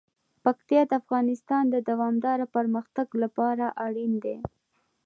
پکتیا د افغانستان د دوامداره پرمختګ لپاره اړین دي.